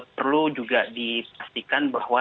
perlu juga dipastikan bahwa